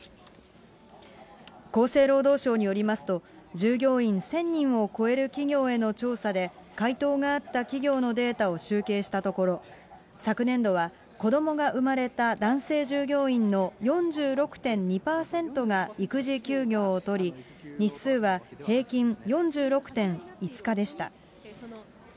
厚生労働省によりますと、従業員１０００人を超える企業への調査で回答があった企業のデータを集計したところ、昨年度は子どもが生まれた男性従業員の４６．２％が育児休業を取り、日数は平均４６．５日でした。